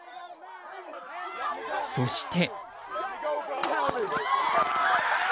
そして。